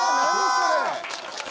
それ。